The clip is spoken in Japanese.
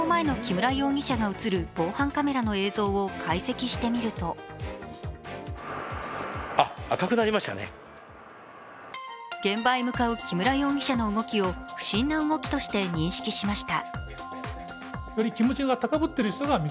犯行前の木村容疑者が映る防犯カメラの映像を解析してみると現場へ向かう木村容疑者の動きを不審な動きとして認識しました。